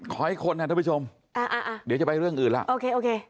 ขอให้คนนะทุกผู้ชมเดี๋ยวจะไปเรื่องอื่นแล้วโอเค